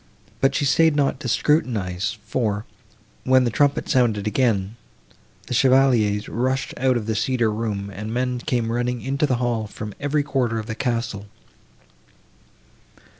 But she staid not to scrutinize, for, when the trumpet sounded again, the chevaliers rushed out of the cedar room, and men came running into the hall from every quarter of the castle.